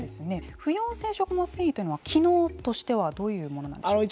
不溶性食物繊維というのは機能としてはどういうものなんでしょうか。